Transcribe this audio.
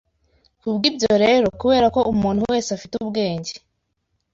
Ku bw’ibyo rero, kubera ko umuntu wese afite ubwenge,